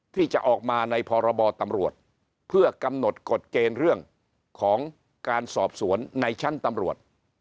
ที่จะออกมาในพรบตำรวจเพื่อกำหนดกฎเกณฑ์เรื่องของการสอบสวนในชั้นตำรวจ